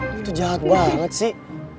lo tuh jahat banget sih